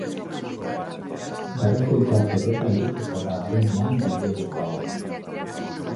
Berrikuntzaz beteta iritsiko da abenduan bideo-joko hau.